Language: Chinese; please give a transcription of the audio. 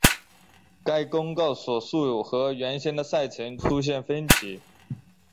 该公告所述和原先的赛程出现分歧。